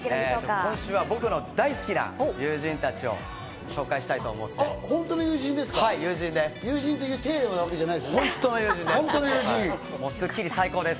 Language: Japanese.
今週は僕の大好きな友人たちを紹介したいと思います。